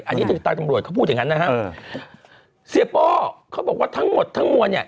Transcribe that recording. อันนี้ทางตำรวจเขาพูดอย่างงั้นนะฮะเสียโป้เขาบอกว่าทั้งหมดทั้งมวลเนี่ย